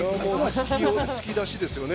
突き出しですよね。